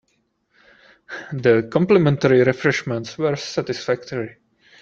The complimentary refreshments were satisfactory.